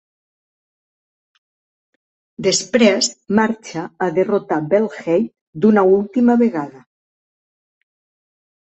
Després marxa a derrotar Baelheit d'una última vegada.